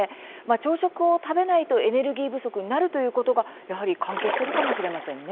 朝食を食べないとエネルギー不足になるということが、やはり関係しているかもしれませんね。